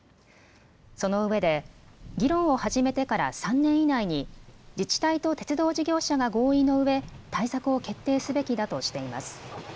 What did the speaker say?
そのうえで議論を初めてから３年以内に自治体と鉄道事業者が合意のうえ対策を決定すべきだとしています。